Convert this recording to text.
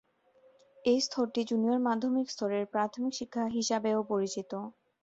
এই স্তরটি জুনিয়র মাধ্যমিক স্তরের প্রাথমিক শিক্ষা হিসাবেও পরিচিত।